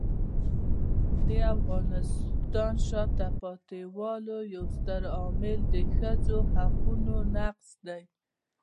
د افغانستان د شاته پاتې والي یو ستر عامل ښځو حقونو نقض دی.